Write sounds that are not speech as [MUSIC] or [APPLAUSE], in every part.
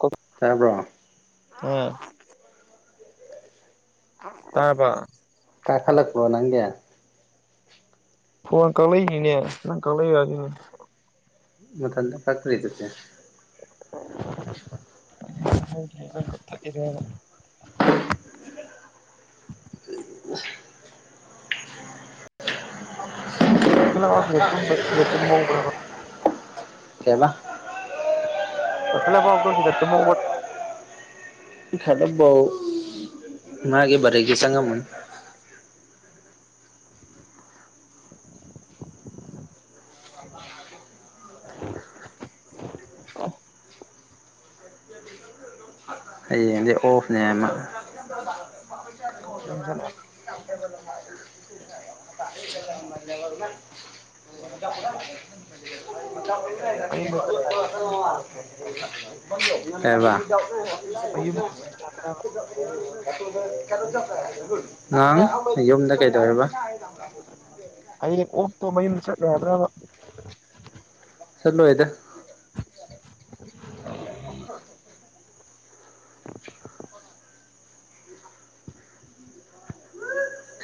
ꯀ ꯇꯥꯕ꯭ꯔꯣ ꯎꯝ ꯇꯥꯕ ꯀꯈꯠꯂꯛꯄ꯭ꯔꯣ ꯅꯪꯗꯦ ꯐꯣꯟ ꯀꯛꯂꯛꯏꯅꯤꯅꯦ ꯅꯪ ꯀꯛꯂꯛꯏꯔꯖꯨ [UNINTELLIGIBLE] ꯃꯊꯟꯗ ꯀꯠꯄꯗꯩꯩ ꯆꯠꯁꯦ ꯀꯥꯛꯊꯠꯂꯤꯔꯅ ꯋꯥꯈꯦꯜꯂꯒꯥꯎꯁꯤꯗ ꯇꯨꯝ ꯁꯤꯗ ꯇꯨꯝꯍꯧꯕ꯭ꯔꯕ ꯑꯣꯦꯕ [UNINTELLIGIBLE] ꯁꯤꯗ ꯇꯨꯝꯃꯧꯕ ꯏꯊꯟꯗꯕꯥꯎ ꯃꯥꯒꯦ ꯃꯔꯩꯖꯦ ꯆꯪꯉꯝꯃꯅꯤ [INAUDIBLE] ꯑꯩ ꯍꯌꯦꯡꯗꯩꯩ ꯑꯣꯐꯅꯦ ꯃꯥ ꯣ ꯌꯨꯝ ꯖꯠꯂꯕꯔ [UNINTELLIGIBLE] ꯃꯌꯨꯝꯗ ꯆꯠꯂꯦ ꯑꯦꯦꯕ ꯃꯌꯨꯝ ꯌꯥꯕ꯭ꯔꯕ [INAUDIBLE] [INAUDIBLE] ꯉꯍꯥꯡ ꯌꯨꯝꯗ ꯀꯩꯗꯧꯑꯦꯕ꯫ [UNINTELLIGIBLE] ꯍꯌꯦꯡ ꯑꯣꯛꯇꯣ ꯃꯌꯨꯝꯗ ꯆꯠ ꯌꯥꯗ꯭ꯔꯕ꯫ ꯆꯠꯂꯣꯏꯗ꯫ [INAUDIBLE]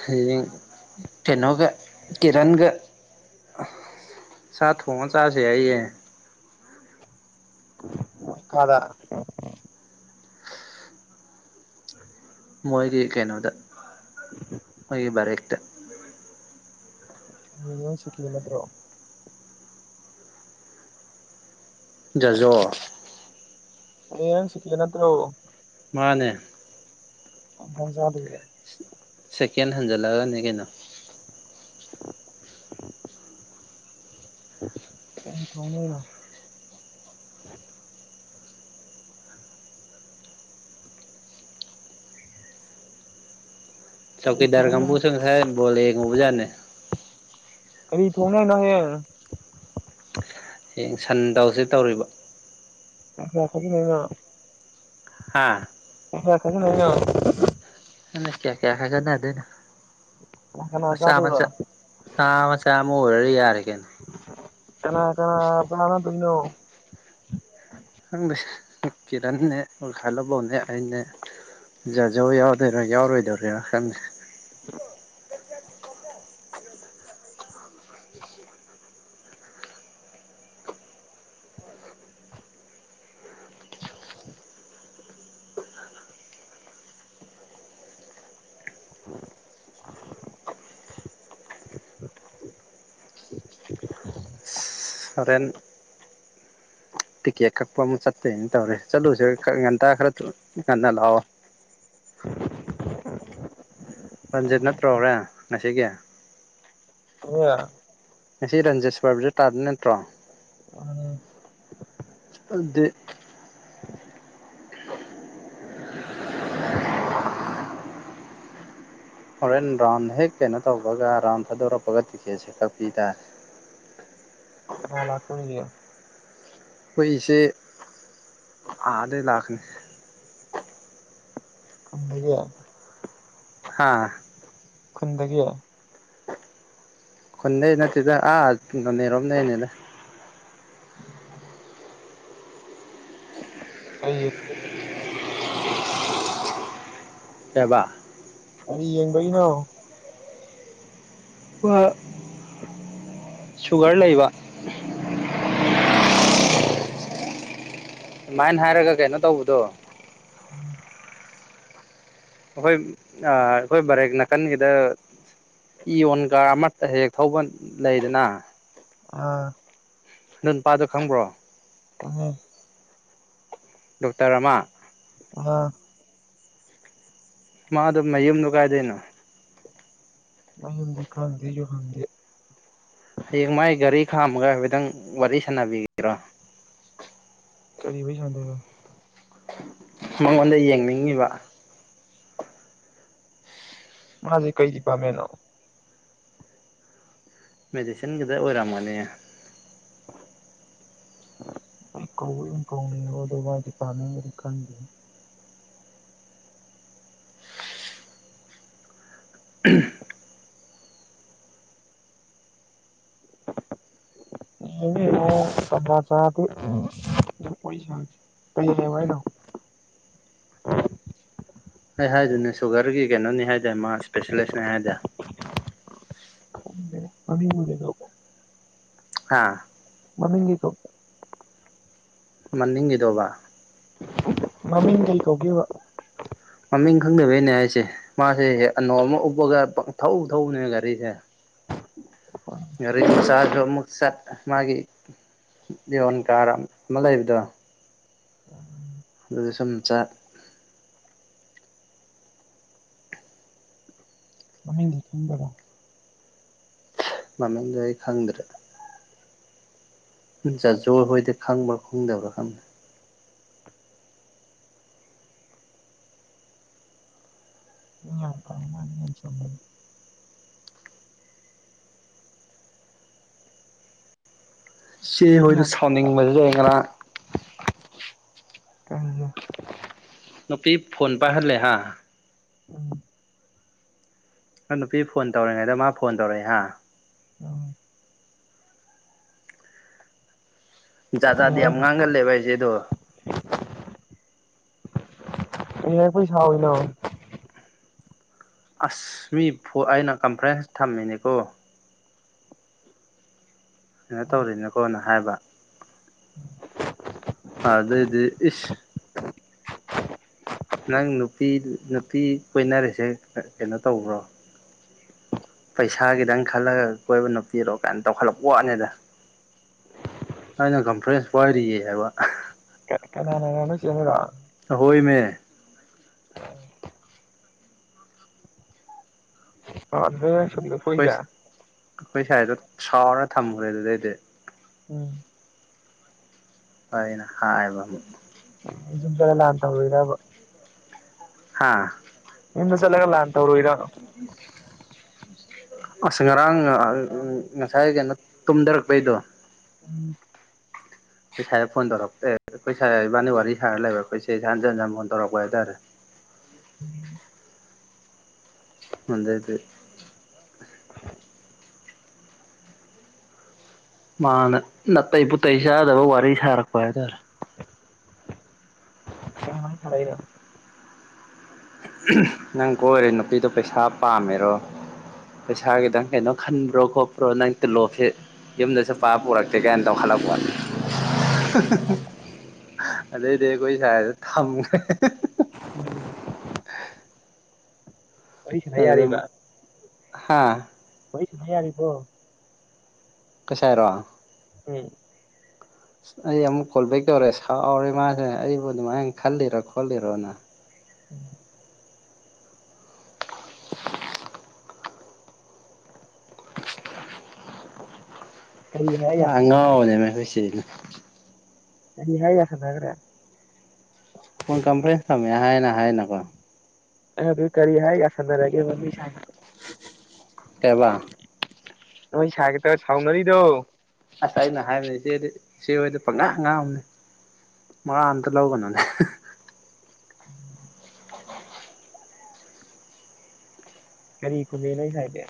ꯍꯌꯦꯡ ꯀꯩꯅꯣꯒ ꯀꯤꯔꯟꯒ ꯁꯥ ꯊꯣꯡꯑ ꯆꯥꯁꯦ ꯍꯥꯏꯌꯦ꯫ ꯀꯥꯗ ꯃꯣꯏꯒꯤ ꯀꯩꯅꯣꯗ ꯃꯣꯏꯒꯤ ꯕꯥꯔꯦꯛꯇ꯫ [INAUDIBLE] ꯁꯤꯀꯤ ꯅꯠꯇ꯭ꯔꯣ꯫ ꯖꯥꯖꯣ꯫ [UNINTELLIGIBLE] ꯁꯦꯀꯦꯟ ꯅꯠꯇ꯭ꯔꯣ꯫ ꯃꯥꯅꯦ꯫ [UNINTELLIGIBLE] ꯁꯦꯀꯦꯟ ꯍꯟꯖꯜꯂꯛꯒꯅꯦ ꯀꯩꯅꯣ꯫ [UNINTELLIGIBLE] ꯀꯩ ꯊꯣꯡꯗꫭꯏꯅꫭ꯫ ꯀꯔꯤ ꯊꯣꯡꯗꯣꯏꯅꯣ ꯆꯧꯀꯤꯗꯥꯔꯀꯥꯡꯕꯨꯁꯨ ꯉꯥꯁꯏ ꯕꯣꯜ ꯌꯦꯡꯎꯕꯖꯥꯠꯅꯤ꯫ ꯀꯔꯤ ꯊꯣꯡꯅꯉꯥꯏꯅꫭ ꯍꯌꯦꯡ꯫ ꯍꯌꯦꯡ ꯁꯟ ꯇꯧꯁꯤ ꯇꯧꯔꯤꯕ꯫ [UNINTELLIGIBLE] ꯍꯥꯥ꯫ [INAUDIBLE] ꯍꯟꯗꯦ ꯀꯌꯥ-ꯀꯌꯥ ꯈꯥꯏꯒꯠꯅꯗꯣꯏꯅꯣ ꯀꯅꯥ ꯀꯅꯥ ꯄ ꯆꯥꯃ ꯆꯥꯗꯣꯏꯕ ꯆ ꯆꯥꯝꯃ ꯆꯥꯝꯃ ꯑꯣꯏꯔꯖꯨ ꯌꯥꯔꯦ ꯀꯩꯅꯣ꯫ ꯀꯅꯥ-ꯀꯅꯥ ꯆꯥꯅꯗꫭꯏꯅꯣ꯫ ꯈꯪꯗꯦ ꯀꯤꯔꯟꯅꯦ ꯑꯣ ꯈꯜꯂꯕꯧꯅꯦ ꯑꯩꯅꯦ ꯖꯥꯖꯧ ꯌꯥꯎꯗꯣꯏꯔꯥ ꯌꯥꯎꯔꯣꯏꯗꯧꯔꯤꯔꯥ ꯈꯪꯗꯦ꯫ [UNINTELLIGIBLE] [INAUDIBLE] ꯁ ꯍꫭꯔꯦꯟ ꯇꯤꯛꯀꯦꯠ ꯀꯛꯄ ꯑꯃꯨꯛ ꯆꯠꯇꯣꯏꯅꯦ ꯇꯧꯔꯦ ꯆꯠꯂꯨꯖꯤꯔꯥ ꯈꯔ ꯉꯟꯇꯥ ꯈꯔ ꯊꯨꯅ ꯉꯟꯅ ꯂꯥꯛꯑꯣ꯫ ꯄꯟꯖꯤꯠ ꯅꯠꯇ꯭ꯔꯣꯔꯦ ꯉꯁꯤꯒꯤ꯫ [INAUDIBLE] ꯉꯁꯤ ꯔꯟꯖꯦ ꯁ꯭ꯋꯥꯔꯕꯁꯨ ꯇꯥꯗ ꯅꯠꯇ꯭ꯔꯣ꯫ [INAUDIBLE] ꯑꯗꯤ [UNINTELLIGIBLE] ꯍꯣꯔꯦꯟ ꯔꯥꯎꯟ ꯍꯦꯛ ꯀꯩꯅꯣ ꯇꯧꯕꯒ ꯔꯥꯎꯟ ꯊꯥꯗꯣꯔꯛꯄꯒ ꯇꯤꯛꯀꯦꯠꯁꯦ ꯀꯛꯄꯤ ꯇꯥꯔꯦ꯫ ꯀꯅꯥ ꯂꯥꯛꯇꫭꯔꯤꯒꯦ꯫ ꯈꯣꯏ ꯏꯆꯦ ꯑꯥꯗꯩ ꯂꯥꯛꯀꯅꯤ꯫ ꯈꯨꯟꯗꯒꯤ꯫ ꯍꯥꯥ꯫ ꯈꯨꯟꯗꯒꯤ꯫ ꯈꯨꯟꯗꯩ ꯅꯠꯇꯦꯗ ꯑꯥ ꯅꯣꯅꯦ ꯔꯣꯝꯗꯩꯅꯤꯗ꯫ ꯀꯩ ꯀꯦꯕ ꯀꯔꯤ ꯌꯦꯡꯕꯒꯤꯅꯣ꯫ ꯋꯥ ꯁꯨꯒꯔ ꯂꯩꯕ ꯁꯨꯃꯥꯏꯅ ꯍꯥꯏꯔꯒ ꯀꯩꯅꯣ ꯇꯧꯕꯗꯣ ꯑ ꯑꯩꯈꯣꯏ ꯑꯩꯈꯣꯏ ꯕꯥꯔꯦꯛ ꯅꯥꯀꯟꯒꯤꯗ ꯌꯣꯟꯒ ꯑꯃ ꯍꯦꯛ ꯊꯧꯕ ꯂꯩꯗꯅ ꯑꯥ ꯅꯪ ꯅꯨꯄꯥꯗꯨꯣ ꯈꯪꯕ꯭ꯔꯣ ꯍꯣꯏ ꯗꯣꯛꯇꯔ ꯑꯃꯥ ꯑ ꯃꯥꯗꯨ ꯃꯌꯨꯝꯗꯨꯣ ꯀꯥꯏꯗꯣꯏꯅꯣ ꯑꯩ ꯌꯨꯝꯗꯤ ꯈꯪꯍꯗꯦ ꯌꯨꯍꯟꯗꯦ ꯍꯌꯦꯡ ꯃꯥꯥꯏ ꯒꯥꯔꯤ ꯈꯥꯝꯃꯒ ꯍꯥꯏꯐꯦꯠꯇꯪ ꯋꯥꯔꯤ ꯁꯥꯟꯅꯕꯤꯒꯔꯣ ꯀꯔꯤꯕꯩ ꯌꯥꯗꯒ ꯃꯉꯣꯟꯗ ꯌꯦꯡꯅꯤꯡꯉꯤꯕ ꯃꯥꯁꯦ ꯀꯩꯗꯤ ꯗꯤꯄꯔꯃꯦꯟꯅꯣ ꯃꯦꯗꯤꯁꯟꯒꯤꯗ ꯑꯣꯏꯔꯝꯃꯅꯤ ꯏ ꯏꯀꯣꯅꯤ ꯑꯣꯗꯕꯥ ꯄꯥꯅꯤ ꯍꯥꯎꯖꯤꯛ ꯀꯟ ꯈꯪꯗꯦ [INAUDIBLE] ꯁꯕꯥ ꯆ ꯄꯁꯥ ꯀꯩ ꯂꯩꯎꯍꯥꯏꯅꯣ ꯑꯩ ꯍꯥꯏꯗꯨꯅꯦ ꯁꯨꯒꯔꯒꯤ ꯀꯩꯅꯣꯅꯤ ꯍꯥꯏꯗꯥꯢ ꯃꯥ ꯏꯁꯄꯦꯁꯦꯂꯤꯁꯅꯦ ꯍꯥꯏꯗꯥꯢ ꯑꯅꯤꯕꯨꯅ ꯍꯥꯥ ꯃꯅꯤꯡꯒꯤꯀꯣ ꯃꯅꯤꯡꯈꯤꯗꯧꯕ ꯃꯃꯤꯡ ꯀꯩ ꯀꯧꯒꯦꯕ ꯃꯃꯤꯡ ꯈꯪꯗꯕꯩꯅꯦ ꯍꯥꯏꯁꯦ ꯃꯥꯁꯦ ꯑꯅꯣ ꯑꯃ ꯎꯞꯄꯒ ꯊꯧ ꯊꯧꯕꯅꯦ ꯒꯥꯔꯤꯁꯦ ꯒꯥꯔꯤ ꯃꯆꯥꯗꯨ ꯑꯃꯨꯛ ꯆꯠ ꯃꯥꯒꯤ ꯏꯌꯣꯟ ꯀꯥꯔ ꯑꯃ ꯂꯩꯕꯗꯣ ꯑꯗꯨꯗ ꯁꯨꯝ ꯆꯥꯛ ꯃꯃꯤꯡꯗꯤ ꯈꯪꯗꯗꯥ ꯃꯃꯦꯟꯖ ꯑꯩ ꯈꯪꯗ꯭ꯔꯦ ꯆꯥ ꯖꯣꯏ ꯍꯣꯏꯗꯤ ꯈꯪꯕ꯭ꯔꯥ ꯈꯪꯗꯕ꯭ꯔꯥ ꯈꯪꯗꯦ ꯔꯅꯤꯁꯨꯦ [INAUDIBLE] ꯆꯦ ꯍꯣꯏꯗ ꯁꯥꯎꯅꯤꯡ ꯕꯁꯤ ꯉꯥꯔꯡ ꯀ ꯅꯨꯄꯤ ꯐꯣꯟ ꯄꯥꯏꯍꯜꯂꯦ ꯍꯥ ꯎꯝ ꯅꯪ ꯅꯨꯄꯤ ꯐꯣꯟ ꯇꯧꯔꯤꯉꯩꯗ ꯃꯥ ꯐꯣꯟ ꯇꯧꯔꯛꯑꯦ ꯍꯥꯥ ꯑꯝ ꯆꯥꯥꯖꯥꯗꯤ ꯌꯥꯝ ꯉꯥꯡꯒꯜꯂꯦꯕ ꯍꯥꯏꯁꯦꯗꯣ ꯏꯣꯏ ꯁꯥꯎꯅ ꯑꯁ ꯃꯤ ꯐ ꯑꯩꯅ ꯀꯟꯐ꯭ꯔꯦꯟꯁ ꯊꯝꯃꯤꯅꯦꯀꯣ ꯀꯩꯅꯣ ꯇꯧꯔꯤꯅꯦ ꯀꯣꯅ ꯍꯥꯏꯕ ꯍꯟꯅꯗꯩꯗꯤ ꯢꯁ ꯅꯪ ꯅꯨꯄꯤ ꯅꯨꯄꯤ ꯀꯣꯏꯅꯔꯤꯁꯦ ꯀꯩꯅꯣ ꯇꯧꯕ꯭ꯔꯣ ꯄꯩꯁꯥꯒꯤꯗꯪ ꯈꯜꯂꯒ ꯀꯣꯏꯕ ꯅꯨꯄꯤꯔꯣ ꯀꯥꯏꯅ ꯇꯧꯈꯠꯂꯛꯄ ꯋꯥꯠꯅꯤꯗ ꯑꯩꯅ ꯀꯝꯐ꯭ꯔꯦꯟꯁ ꯄꯥꯏꯔꯤꯌꯦ ꯍꯥꯏꯕ ꯀ ꯀꯅꯥꯅ ꯆꯂ ꯍꯣꯏꯃꯦ [INAUDIBLE] ꯑꯗꯨꯗ ꯎꯝꯍꯝ ꯁꯨꯇꯤ ꯂꯧꯊꯣꯛꯏꯁꯦ ꯀꯨꯏꯁ ꯑꯩꯈꯣꯏ ꯁꯥꯏꯗꯣ ꯁꯥꯎꯔ ꯊꯝꯈꯔꯦ ꯑꯗꯨꯗꯩꯗꯤ ꯎꯝ ꯑꯩꯅ ꯍꯥꯏꯕ ꯑꯝ ꯌꯨꯝ ꯆꯠꯂꯥ ꯂꯥꯟ ꯇꯧꯔꯨꯏꯔꯕ ꯍꯥꯥ ꯌꯨꯝꯗ ꯆꯠꯂꯒ ꯂꯥꯟ ꯇꯧꯔꯨꯏꯔꯕ ꯎꯝ ꯑꯁ ꯉꯔꯥꯡꯅ ꯉꯁꯥꯏ ꯀꯩꯅꯣ ꯇꯨꯝꯊꯔꯛꯄꯩꯗꯣ ꯎꯝ ꯈꯣꯏꯁꯥꯏꯗ ꯐꯣꯟ ꯇꯧꯔꯛ ꯑꯩꯈꯣꯏ ꯁꯥꯏ ꯏꯕꯥꯟꯅꯤ ꯋꯥꯔꯤ ꯁꯥꯔ ꯂꯩꯕ ꯑꯩꯈꯣꯏ ꯆꯦꯖꯦ ꯍꯟꯖꯟ ꯖꯟ ꯐꯣꯟ ꯇꯧꯔꯛꯄ ꯍꯥꯏꯇꯥꯔꯦ ꯎꯝ ꯃꯗꯩꯗꯤ ꯃꯥꯅ ꯅꯥꯇꯩ ꯄꯨꯇꯩ ꯆꯥꯗꯕ ꯋꯥꯔꯤ ꯁꯥꯔꯛꯄ ꯍꯥꯏꯇꯥꯔꯦ ꯀꯩ ꯋꯔꯤ ꯁꯔꯥꯛꯏꯕ ꯅꯪ ꯀꯣꯏꯔꯤ ꯅꯨꯄꯤꯗꯣ ꯄꯩꯁꯥ ꯄꯥꯝꯃꯤꯔꯣ ꯄꯩꯁꯥꯒꯤꯗꯪ ꯀꯩꯅꯣ ꯈꯟꯕ꯭ꯔꯣ ꯈꯣꯠꯄ꯭ꯔꯣ ꯅꯪ ꯇꯨꯜꯂꯣꯞꯁꯦ ꯌꯨꯝꯗꯁꯨ ꯄꯥ ꯄꯨꯔꯛꯇꯦ ꯀꯥꯏꯅ ꯇꯧ ꯈꯜꯂꯛꯄ ꯋꯥꯅꯤ ꯑꯗꯩꯗꯤ ꯑꯩꯈꯣꯏ ꯁꯥꯏꯗꯨ ꯊꯝꯒ꯭ꯔꯦ ꯎꯝ ꯑꯗꯨꯗꯗꯨꯝ ꯍꯥꯥ ꯋꯥꯔꯤ ꯁꯥꯅꯥ ꯌꯥꯔꯤꯕꯣ ꯈꯤꯏ ꯁꯥꯏꯔꯣ ꯎꯝ [INAUDIBLE] ꯑꯩ ꯑꯃꯨꯛ ꯀꯣꯜ ꯕꯦꯛ ꯇꯧꯔꯦ ꯁꯥꯎꯔꯦ ꯃꯥꯁꯦ ꯑꯩꯕꯨ ꯑꯗꯨꯃꯥꯏꯅ ꯈꯜꯂꯤꯔꯣ ꯈꯣꯠꯂꯤꯔꯣꯅ ꯎꯝ ꯀꯔꯤ ꯍꯥꯏꯔ ꯌꯥꯁꯟꯅꯈ꯭ꯔꯦ ꯑꯉꯥꯎꯕꯅꯦ ꯈꯣꯏ ꯆꯦꯁꯤꯅ ꯀꯔꯤ ꯍꯥꯏꯔꯥ ꯌꯥꯁꯤꯟꯅꯒ꯭ꯔꯦ ꯐꯣꯟ ꯀꯝꯄ꯭ꯂꯦꯟ ꯊꯝꯃꯦ ꯍꯥꯏꯅ ꯍꯥꯏꯅꯀꯣ ꯑꯗꯨ ꯀꯔꯤ ꯍꯥꯏ ꯌꯥꯁꯟꯅꯔꯒꯦ ꯅꯣꯏ ꯁꯥꯏꯒ ꯀꯩꯕ ꯅꯣꯏ ꯁꯥꯏꯒ ꯈꯔ ꯁꯥꯎꯅꯔꯤꯗꯣ ꯑꯁ ꯑꯩꯅ ꯍꯥꯏꯕꯅꯦ ꯏꯆꯦꯗꯤ ꯏꯆꯦ ꯍꯣꯏꯗꯤ ꯄꯪꯉꯥꯡ ꯉꯥꯡꯅꯦ ꯃꯋꯥ ꯑꯝꯇ ꯂꯧꯒꯅꯣꯅ [UNINTELLIGIBLE] ꯀꯔꯤ ꯈꯨꯝꯃꯦ ꯅꯣꯏ ꯁꯥꯏꯗꯤ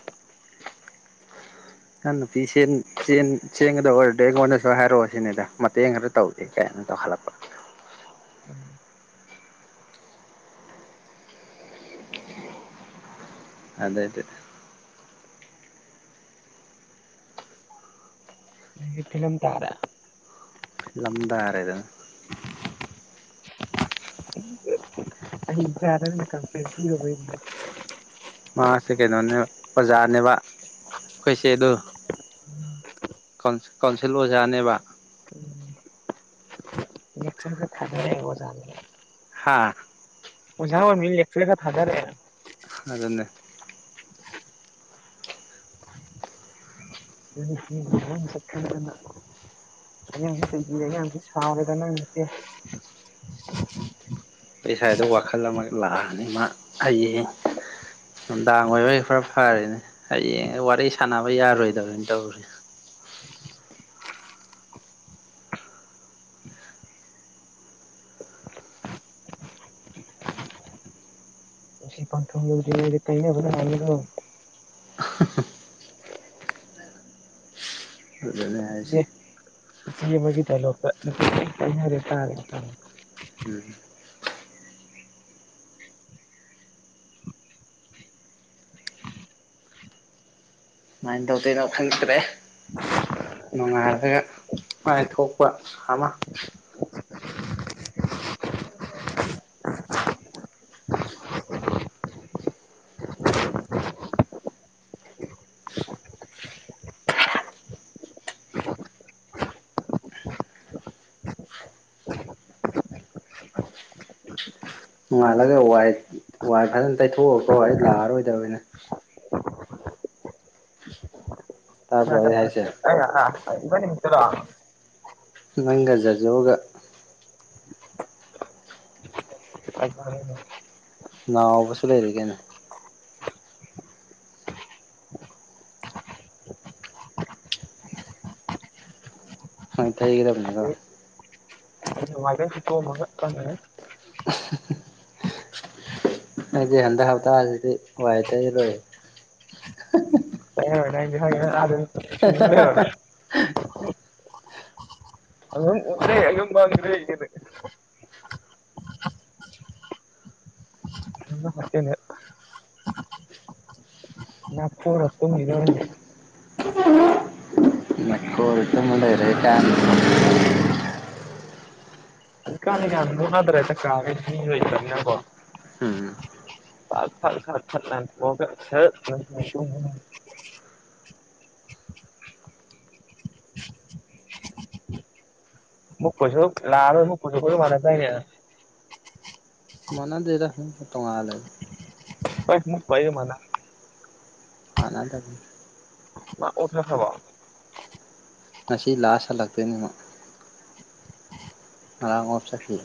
ꯅꯪ ꯅꯨꯄꯤ ꯁꯦꯟ ꯆꯦꯟ ꯆꯦꯟꯒꯗꯕ ꯑꯣꯏꯔꯗꯤ ꯑꯩꯉꯣꯟꯗꯁꯨ ꯍꯥꯏꯔꯛꯑꯣ ꯁꯤꯅꯤꯗ ꯃꯇꯦꯡ ꯈꯔ ꯇꯧꯗꯦ ꯀꯩꯅ ꯇꯧꯈꯠꯂꯛꯄ ꯎꯝ ꯑꯗꯩꯗꯤ ꯗꯩ ꯐꯤꯂꯝ ꯇꯥꯔꯦ ꯂꯝꯗꯥꯔꯦꯗ ꯑꯍꯩ ꯁꯗꯅ ꯀꯟꯄ꯭ꯂꯦꯟ ꯄꯥꯔꯨꯕꯩꯅꯦ ꯃꯥꯁꯦ ꯀꯩꯅꯣꯅꯦꯕ ꯑꯣꯖꯥꯅꯦꯕ ꯑꯩꯈꯣꯏꯆꯦ ꯑꯗꯣ ꯀꯥꯎꯟꯁꯤꯜ ꯑꯣꯖꯥꯅꯦꯕ ꯎꯝ ꯂꯦꯛꯆꯥꯔ ꯈꯔꯥ ꯊꯗꯔꯦ ꯑꯣꯖꯥ ꯅꯥ ꯍꯥꯥ ꯑꯣꯖꯥ ꯑꯣꯏꯃꯤꯅ ꯂꯦꯛꯆꯔ ꯈꯔꯥ ꯊꯥꯗꯔꯛ ꯑ ꯑꯗꯨꯅꯦ [INAUDIBLE] [INAUDIBLE] ꯑꯉꯥꯡꯗꯣ ꯆꯦꯕꯤꯔꯦ ꯑꯉꯥꯡꯗꯣ ꯁꯥꯎꯔꯦ ꯅꯪꯗꯨꯗꯤ ꯑꯩꯈꯣꯏꯁꯥꯏꯗꯨ ꯋꯥꯈꯜ ꯑꯃ ꯂꯥꯛꯑꯅꯤ ꯃꯥ ꯍꯌꯦꯡ ꯅꯨꯡꯗꯥꯡ ꯑꯣꯏꯕꯩ ꯈꯔ ꯐꯔꯤꯅꯦ ꯍꯌꯦꯡ ꯋꯥꯔꯤ ꯁꯥꯟꯅꯕ ꯌꯥꯔꯣꯏꯗꯕꯅꯤ ꯇꯧꯔꯤ [INAUDIBLE] [UNINTELLIGIBLE] ꯅꯨꯡꯁꯤꯄꯟꯊꯨꯡ ꯌꯧꯗ ꯔꯤꯉꯩꯗ ꯀꯥꯏꯅꯕꯅꯥ ꯍꯥꯟꯅꯤꯀꯣ ꯗꯨꯅꯦ ꯍꯥꯏꯁꯦ ꯏꯆꯦ ꯏꯆꯦ ꯑꯃꯒꯤ ꯗꯥꯏꯂꯣꯛꯇ ꯅꯨꯄꯤ ꯀꯥꯏꯅꯔꯦ ꯇꯔꯦ ꯎꯝ ꯎ [UNINTELLIGIBLE] ꯁꯨꯃꯥꯏꯅ ꯇꯧꯗꯣꯏꯔꯣ ꯈꯪꯗ꯭ꯔꯦ ꯅꯨꯡꯉꯥꯏꯔꯒ ꯃꯥꯏ ꯊꯣꯛꯄ ꯑꯃ [UNINTELLIGIBLE] [INAUDIBLE] ꯅꯣꯡꯉꯥꯜꯂꯒ ꯋꯥꯏ ꯋꯥꯏ ꯐꯖꯅ ꯇꯩꯊꯣꯛꯑꯀꯣ ꯑꯩ ꯂꯥꯛꯑꯔꯣꯏꯗꯕꯅꯦ ꯀꯥꯅꯥ ꯇꯥꯕ꯭ꯔꯣ ꯑꯩ ꯀꯥꯅꯥ ꯍꯥꯏꯁꯦ [UNINTELLIGIBLE] ꯅꯣ ꯍꯥ ꯏꯕꯥꯅꯤ ꯈꯛꯇꯔꯣ ꯅꯪꯒ ꯖꯥꯖꯣꯒ [UNINTELLIGIBLE] ꯅꯥꯎꯕꯁꯨ ꯂꯩꯔꯤꯒꯩꯅꯣ ꯑ ꯇꯩꯒꯔꯕꯅꯤꯗ ꯃꯦꯁꯨꯦ [INAUDIBLE] ꯑꯩꯗꯤ ꯍꯟꯗꯛ ꯍꯞꯇꯥꯁꯤꯗꯤ ꯋꯥꯏ ꯇꯩꯔꯣꯏ ꯍꯃꯗ [INAUDIBLE] ꯑꯉꯉ ꯀꯅꯤ [INAUDIBLE] ꯌꯥꯝ ꯍꯥꯅꯦ ꯅ ꯄꯣ ꯔ ꯇꯨꯝꯒꯤꯗꯧꯔꯦ ꯣ [INAUDIBLE] ꯔꯔꯦꯀꯥꯟ [INAUDIBLE] ꯍꯧꯖꯤꯛꯀꯥꯟꯗꯤ ꯀꯌꯥ ꯃꯨꯛꯅꯗ꯭ꯔꯦ ꯇ ꯀꯥꯒꯩ ꯃꯤꯖꯨ ꯂꯩꯇꯔꯅꯤꯉꯒꯣ ꯎꯝ ꯐ ꯐ ꯐꯔ ꯐꯠ [INAUDIBLE] ꯃꯨꯛ ꯄꯩꯖꯨ ꯂꯥꯑꯔꯣꯏ ꯃꯨꯛꯄꯖꯨ ꯈꯣꯏꯒ ꯃꯥꯟꯅꯥꯗꯥꯏꯅꯦ ꯃꯥꯟꯅꯗꯦꯗ ꯍꯝ ꯇꯣꯉꯥꯜꯂꯩ ꯍꯣꯏ ꯃꯨꯛ ꯄꯩꯔꯦ ꯃꯥꯅ ꯃꯥꯟꯅꯗꯕꯅꯤ ꯃꯥ ꯑꯣꯛ ꯆꯠꯈꯔꯕꯣ ꯉꯁꯤ ꯂꯥꯁ ꯍꯜꯂꯛꯇꯣꯏꯅꯤꯕ ꯑꯥꯡꯞ ꯆꯈꯤ